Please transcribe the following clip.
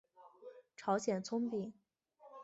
朝鲜葱饼。